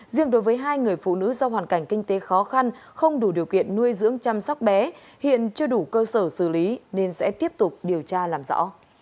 riêng đối với hai người phụ nữ do hoàn cảnh kinh tế khó khăn không đủ điều kiện nuôi dưỡng chăm sóc bé hiện chưa đủ cơ sở xử lý nên sẽ tiếp tục điều tra làm rõ